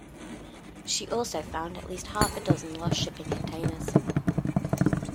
She also found at least half a dozen lost shipping containers.